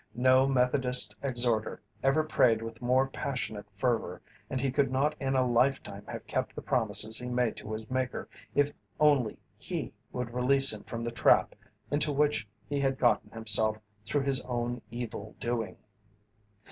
No Methodist exhorter ever prayed with more passionate fervour, and he could not in a lifetime have kept the promises he made to his Maker if only He would release him from the trap into which he had gotten himself through his own evil doing.